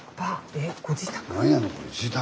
えご自宅？